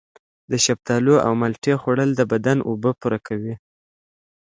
د شفتالو او مالټې خوړل د بدن اوبه پوره کوي.